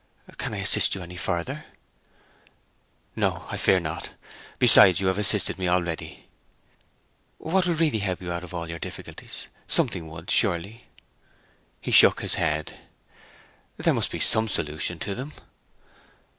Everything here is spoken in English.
'Can I assist you any further?' 'No, I fear not. Besides, you have assisted me already.' 'What would really help you out of all your difficulties? Something would, surely?' He shook his head. 'There must be some solution to them?'